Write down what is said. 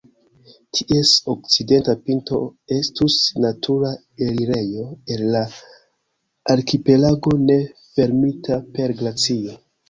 Ties okcidenta pinto estus natura elirejo el la arkipelago ne fermita per glacio.